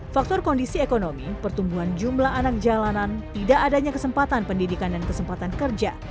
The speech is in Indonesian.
faktor kondisi ekonomi pertumbuhan jumlah anak jalanan tidak adanya kesempatan pendidikan dan kesempatan kerja